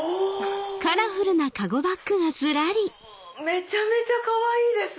めちゃめちゃかわいいです。